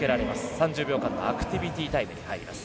３０秒間のアクティビティータイムに入ります。